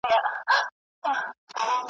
د سرخوړلي بېلتانه بلا وهلی یمه